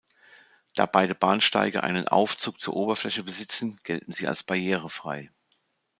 Da beide Bahnsteige einen Aufzug zur Oberfläche besitzen, gelten sie als "barrierefrei".